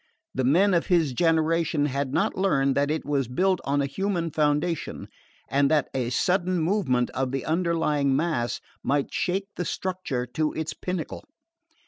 The men of his generation had not learned that it was built on a human foundation and that a sudden movement of the underlying mass might shake the structure to its pinnacle.